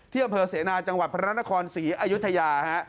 เที่ยวเผลอเสนาจังหวัดพระราชนาคล๔อายุทยาฮะ